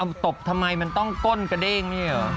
มันตบทำไมมันต้องก้นกระเด้งนี่เหรอ